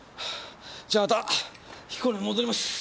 じゃあまた彦根に戻ります！